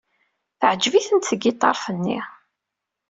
Teɛjeb-itent tgiṭart-nni.